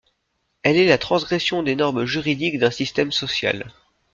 Elle est la transgression des normes juridiques d'un système social.